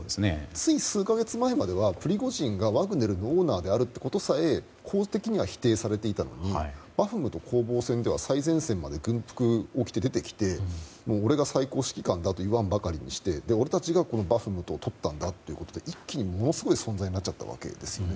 つい数か月前まではプリゴジン氏がワグネルのオーナーであるということさえ公的には否定されていたのにバフムト攻防戦では最前線まで軍服を着て出てきて俺が最高指揮官だといわんばかりで俺たちがバフムトをとったんだということで一気にものすごい存在になっちゃったわけです。